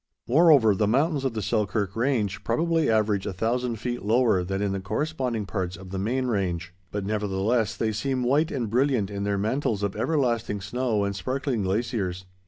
Moreover, the mountains of the Selkirk Range probably average 1000 feet lower than in the corresponding parts of the main range, but nevertheless they seem white and brilliant in their mantles of everlasting snow and sparkling glaciers.